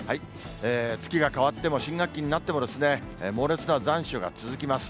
月が替わっても新学期になっても、猛烈な残暑が続きます。